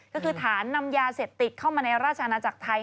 ก็คือฐานนำยาเสพติดเข้ามาในราชอาณาจักรไทย